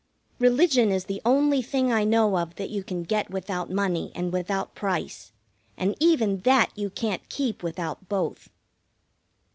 Religion is the only thing I know of that you can get without money and without price, and even that you can't keep without both.